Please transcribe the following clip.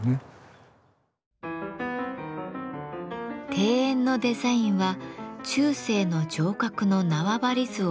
庭園のデザインは中世の城郭の縄張り図をアレンジ。